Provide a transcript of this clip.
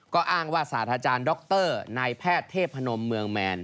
ก็อ้างว่าศาสตราจารย์ดรนายแพทย์เทพนมเมืองแมน